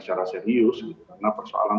secara serius karena persoalan